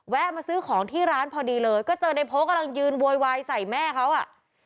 มาซื้อของที่ร้านพอดีเลยก็เจอในโพกกำลังยืนโวยวายใส่แม่เขาอ่ะ